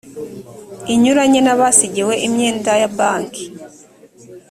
inyuranye n abasigiwe imyenda y amabanki